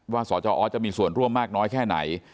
สจออสจะมีส่วนร่วมมากน้อยแค่ไหน